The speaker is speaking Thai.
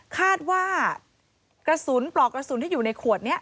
คาดว่ากระสุนปลอกกระสุนที่อยู่ในขวดนี้